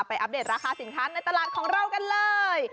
อัปเดตราคาสินค้าในตลาดของเรากันเลย